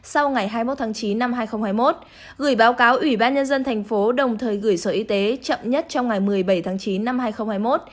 sau ngày hai mươi một tháng chín năm hai nghìn hai mươi một gửi báo cáo ủy ban nhân dân thành phố đồng thời gửi sở y tế chậm nhất trong ngày một mươi bảy tháng chín năm hai nghìn hai mươi một